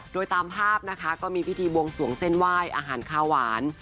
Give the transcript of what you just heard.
โดยตามภาพนะคะก็มีพิธีบวงสวงเส้นไหว้อาหารข้าวหวาน